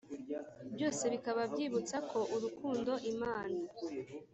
byose bikaba byibutsa ko urukundo imana